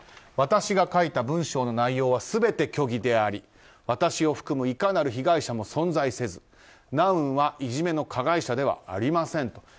私が書いた文章の内容は全て虚偽であり私を含むいかなる被害者も存在せずナウンはいじめの加害者ではありませんと。